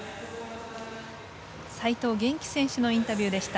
齋藤元希選手のインタビューでした。